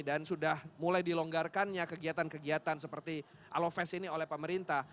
dan sudah mulai dilonggarkan kegiatan kegiatan seperti aloves ini oleh pemerintah